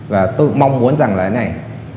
và tôi mong muốn rằng là thế này